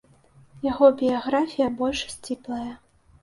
Яго біяграфія больш сціплая.